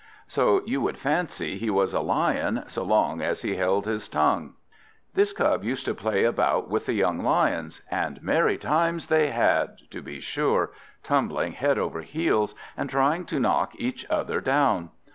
So you would fancy he was a lion, so long as he held his tongue. This Cub used to play about with the young Lions, and merry times they had to be sure, tumbling head over heels, and trying to knock each other down.